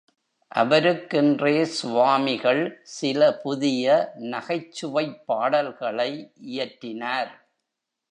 அவருக்கென்றே சுவாமிகள் சில புதிய நகைச் சுவைப் பாடல்களை இயற்றினார்.